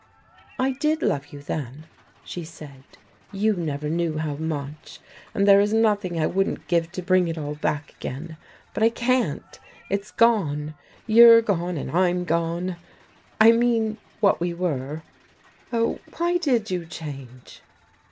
"I did love you then," she said. "You never knew how much. And there is nothing I wouldn't give to bring it all back again. But I can't. It's gone. You're gone, and I'm gone. I mean what we were. Oh, why did you change?"